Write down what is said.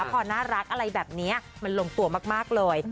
พอน่ารักอะไรแบบนี้มันลงตัวมากเลย